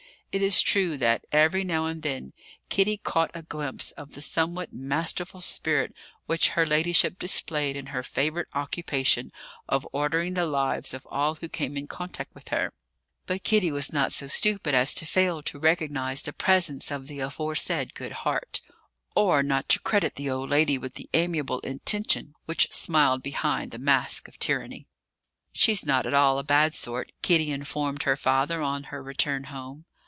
It is true that, every now and then, Kitty caught a glimpse of the somewhat masterful spirit which her ladyship displayed in her favourite occupation of ordering the lives of all who came in contact with her; but Kitty was not so stupid as to fail to recognise the presence of the aforesaid good heart, or not to credit the old lady with the amiable intention which smiled behind the mask of tyranny. "She's not at all a bad sort," Kitty informed her father on her return home.